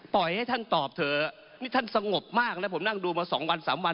ให้ท่านตอบเถอะนี่ท่านสงบมากนะผมนั่งดูมาสองวันสามวัน